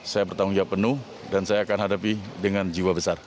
saya bertanggung jawab penuh dan saya akan hadapi dengan jiwa besar